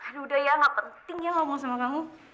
aduh udah ya gak penting ya ngomong sama kamu